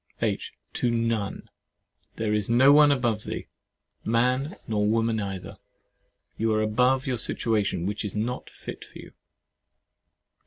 H. To none; there is no one above thee, man nor woman either. You are above your situation, which is not fit for you.